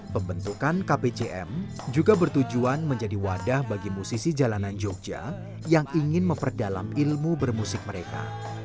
pembentukan kpcm juga bertujuan menjadi wadah bagi musisi jalanan jogja yang ingin memperdalam ilmu bermusik mereka